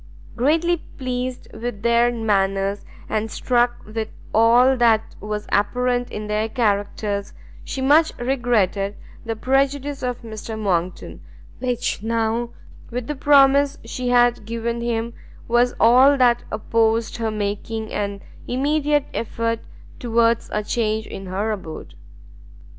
Greatly pleased with their manners, and struck with all that was apparent in their characters, she much regretted the prejudice of Mr Monckton, which now, with the promise she had given him, was all that opposed her making an immediate effort towards a change in her abode.